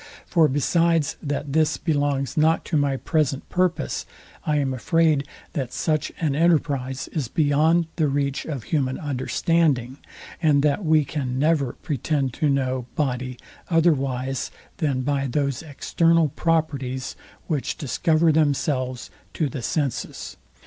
For besides that this belongs not to my present purpose, I am afraid, that such an enterprise is beyond the reach of human understanding, and that we can never pretend to know body otherwise than by those external properties, which discover themselves to the senses.